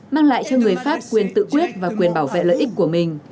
mang lại cho người pháp quyền tự quyết và quyền bảo vệ lợi ích của mình